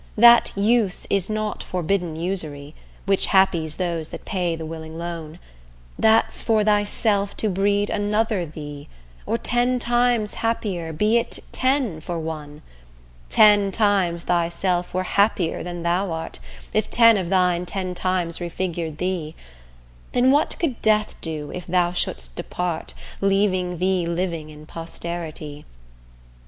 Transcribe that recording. That use is not forbidden usury, Which happies those that pay the willing loan; That's for thyself to breed another thee, Or ten times happier, be it ten for one; Ten times thyself were happier than thou art, If ten of thine ten times refigur'd thee: Then what could death do if thou shouldst depart, Leaving thee living in posterity?